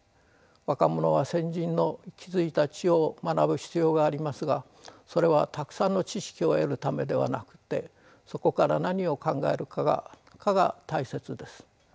若者は先人の築いた知を学ぶ必要がありますがそれはたくさんの知識を得るためではなくてそこから何を考えるかが大切です。